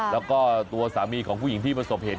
แล้วก็ตัวสามีของผู้หญิงที่ประสบเหตุ